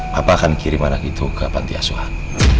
papa akan kirim anak itu ke pantiasuhan